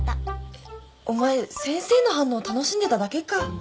えっお前先生の反応を楽しんでただけか。